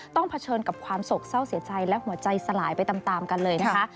เผชิญกับความโศกเศร้าเสียใจและหัวใจสลายไปตามกันเลยนะคะ